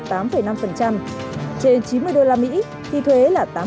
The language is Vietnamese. trên chín mươi đô la mỹ thì thuế là tám